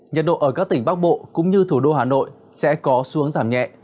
nhiệt độ ở các tỉnh bắc bộ cũng như thủ đô hà nội sẽ có xuống giảm nhẹ